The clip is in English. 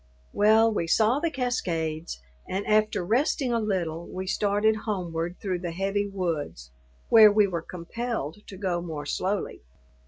Well, we saw the cascades, and after resting a little, we started homeward through the heavy woods, where we were compelled to go more slowly.